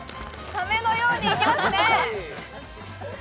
サメのようにいきますね。